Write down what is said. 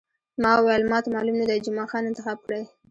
ما وویل، ما ته معلوم نه دی، جمعه خان انتخاب کړی.